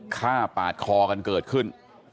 ฆ่าปาดคอกันเกิดขึ้น